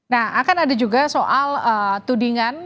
nah akan ada juga soal tudingan